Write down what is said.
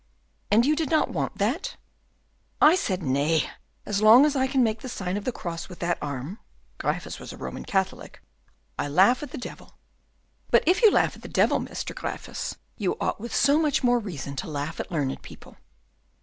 "And you did not want that?" "I said, 'Nay, as long as I can make the sign of the cross with that arm' (Gryphus was a Roman Catholic), 'I laugh at the devil.'" "But if you laugh at the devil, Master Gryphus, you ought with so much more reason to laugh at learned people."